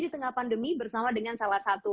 di tengah pandemi bersama dengan salah satu